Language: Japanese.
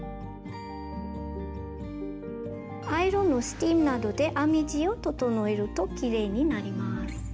アイロンのスチームなどで編み地を整えるときれいになります。